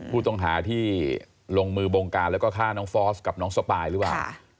ผู้ต้องหาที่ลงมือบงการแล้วก็ฆ่าน้องฟอสกับน้องสปายหรือเปล่า